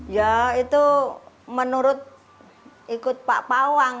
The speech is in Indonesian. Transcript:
ya itu menurut ikut pak pawang